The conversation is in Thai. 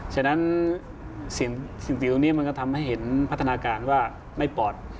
ฉะนั้นสิ่งวิวนี้มันก็ทำให้เห็นพัฒนาการว่าไม่ปลอด